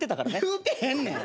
言うてへんねん！